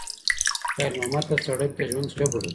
خیر محمد ته سړک د ژوند جبر و.